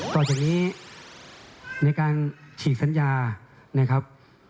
ต่อจากนี้ในการฉีกสัญญานะครับ